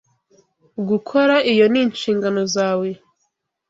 Gukora iyo ni inshingano zawe.